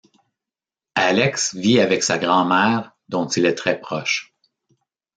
Alex vit avec sa grand-mère dont il est très proche.